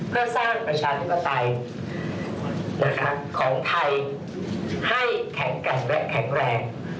เพื่อสร้างประชาธิปไตยของไทยให้แข็งแรง